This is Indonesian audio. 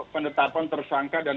penetapan tersangka dan